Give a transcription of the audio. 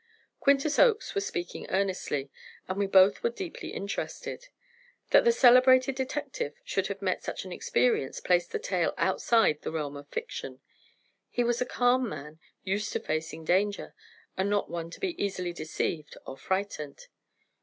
Quintus Oakes was speaking earnestly, and we both were deeply interested. That the celebrated detective should have met such an experience placed the tale outside the realm of fiction. He was a calm man, used to facing danger, and not one to be easily deceived or frightened.